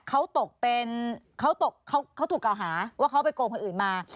เขาตกเป็นเขาถูกกล่าวหาว่าเขาไปโกงคนอื่นมา